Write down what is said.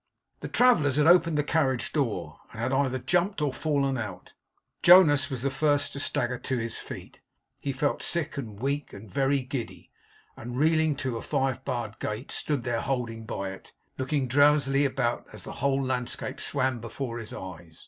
The travellers had opened the carriage door, and had either jumped or fallen out. Jonas was the first to stagger to his feet. He felt sick and weak, and very giddy, and reeling to a five barred gate, stood holding by it; looking drowsily about as the whole landscape swam before his eyes.